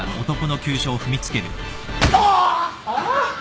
あ！あ。